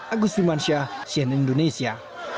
agus bimansyah cnn indonesia